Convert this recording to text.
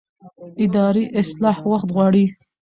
اداري اصلاح وخت غواړي